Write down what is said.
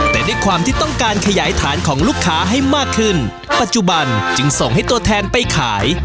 แต่ด้วยความที่ต้องการขยายฐานของลูกค้าให้มากขึ้นปัจจุบันจึงส่งให้ตัวแทนไปขาย